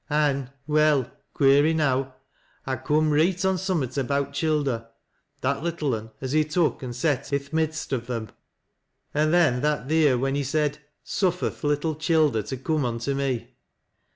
An' — well, queer enow, I coom reet on summat about childer, — that little un as he tuk and set i' th' midst o' them, an' then that theer when he said ' Suffer th' little childer to coom unto me.'